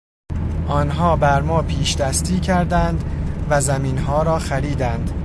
آنها بر ما پیشدستی کردند و زمینها را خریدند.